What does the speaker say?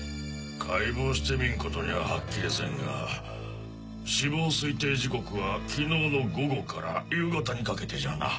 解剖してみんことにははっきりせんが死亡推定時刻は昨日の午後から夕方にかけてじゃな。